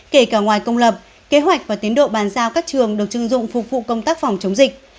kể cả ngoài công lập kế hoạch và tiến độ bàn giao các trường được chưng dụng phục vụ công tác phòng chống dịch